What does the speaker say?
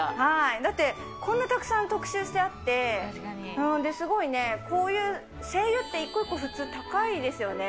だってこんなたくさん特集してあって、すごいね、こういう精油って一個一個、普通高いですよね。